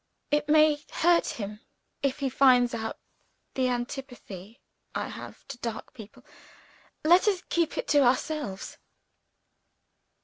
"It may hurt him if he finds out the antipathy I have to dark people. Let us keep it to ourselves."